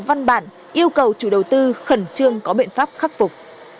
văn bản yêu cầu chủ đầu tư khẩn trương có biện pháp khắc phục